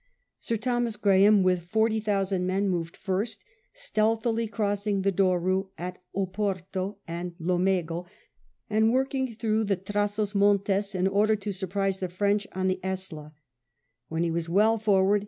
Sir Thomas Graham with forty thousand men moved first, stealthily crossing the Douro at Oporto and Lamego, and working through the Tras os Montes in order to surprise the French on the Esla, When he was well forward.